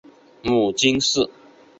母金氏。